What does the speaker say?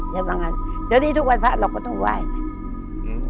เดี๋ยวนี้ทุกวันพระเราก็ต้องไหว้